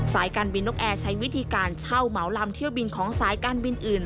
การบินนกแอร์ใช้วิธีการเช่าเหมาลำเที่ยวบินของสายการบินอื่น